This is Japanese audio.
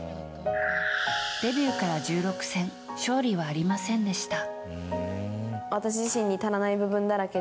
デビューから１６戦勝利はありませんでした。